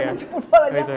sampai menjemput bola itu ya